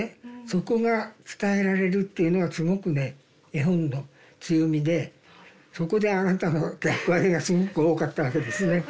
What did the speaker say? そこが伝えられるっていうのはすごくね絵本の強みでそこであなたの役割がすごく多かったわけですね。